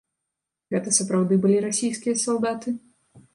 Гэта сапраўды былі расійскія салдаты?